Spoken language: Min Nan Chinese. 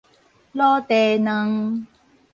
滷茶卵